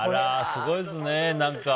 すごいですね、何か。